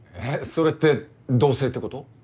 それって同棲ってこと？